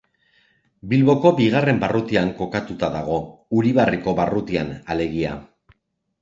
Bilboko bigarren barrutian kokatuta dago, Uribarriko barrutian alegia.